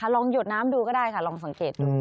หยดน้ำดูก็ได้ค่ะลองสังเกตดู